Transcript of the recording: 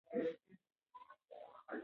هیله په درنو قدمونو بېرته کوټې ته ننووتله.